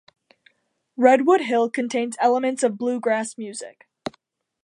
"Redwood Hill" contains elements of bluegrass music.